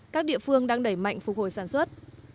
các địa phương đang đẩy mạnh phục hồi sản xuất